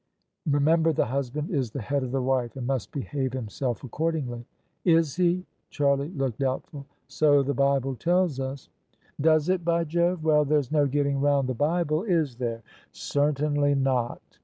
Remember the husband is the head of the wife, and must behave himself accordingly." " Is he? " Charlie looked doubtful, ." So the Bible tells us." "Does it, by Jove? Well, there's no getting round the Bible, is there?" " Certainly not."